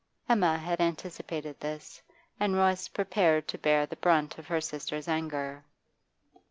Emma had anticipated this, and was prepared to bear the brunt of her sister's anger.